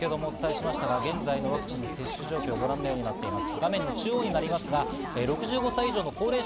現在のワクチンの接種状況はご覧のようになっています。